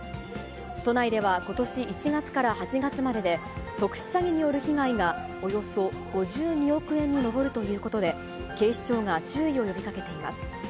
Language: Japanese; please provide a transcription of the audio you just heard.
都内では、ことし１月から８月までで、特殊詐欺による被害がおよそ５２億円に上るということで、警視庁が注意を呼びかけています。